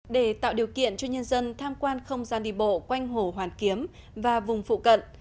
để tạo điều kiện cho nhân dân tham quan không gian đi bộ quanh hồ hoàn kiếm và vùng phụ cận